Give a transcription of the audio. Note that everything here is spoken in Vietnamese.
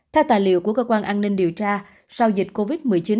theo tài liệu của cơ quan an ninh điều tra sau dịch covid một mươi chín